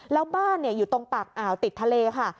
แล้วบ้านเนี่ยอยู่ตรงตักติดทะเลค่ะ